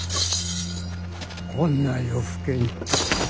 こんな夜更けに。